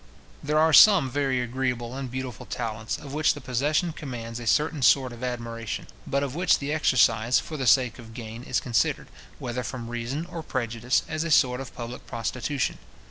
There are some very agreeable and beautiful talents, of which the possession commands a certain sort of admiration, but of which the exercise, for the sake of gain, is considered, whether from reason or prejudice, as a sort of public prostitution.